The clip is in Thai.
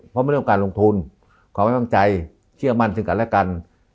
เพราะไม่เรื่องการลงทุนความไม่บังใจเชื่อมันสินคันและกัน